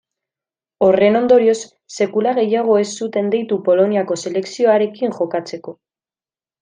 Horren ondorioz, sekula gehiago ez zuten deitu Poloniako selekzioarekin jokatzeko.